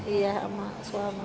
iya sama suami